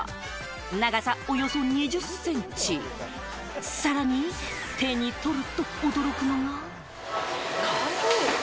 長さおよそ２０センチ、さらに、手に取ると驚くのが。